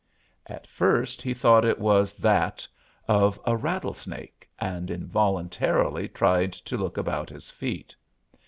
At first he thought it was that of a rattle snake, and involuntarily tried to look about his feet.